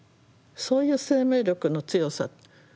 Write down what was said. そういう生命力の強さ。